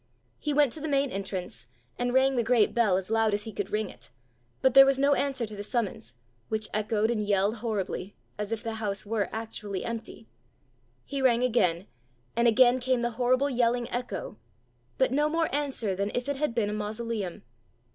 He went to the main entrance, and rang the great bell as loud as he could ring it, but there was no answer to the summons, which echoed and yelled horribly, as if the house were actually empty. He rang again, and again came the horrible yelling echo, but no more answer than if it had been a mausoleum.